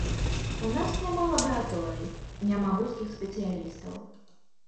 У нас няма лабараторый, няма вузкіх спецыялістаў.